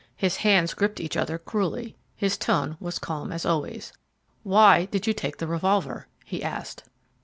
His hands gripped each other cruelly; his tone was calm as always. "Why did you take the revolver?" he asked.